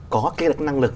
có cái năng lực